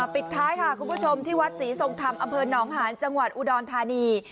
ปิดท้ายค่ะคุณผู้ชมที่วัดศรีทรงธรรมอำเภอหนองหานจังหวัดอุดรธานี